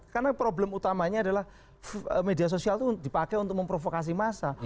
karena problem utamanya adalah media sosial itu dipakai untuk memprovokasi massa